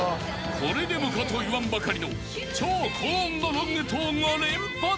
［これでもかと言わんばかりの超高音のロングトーンが連発］